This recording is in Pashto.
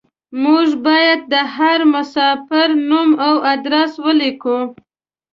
موږ بايد د هر مساپر نوم او ادرس وليکو.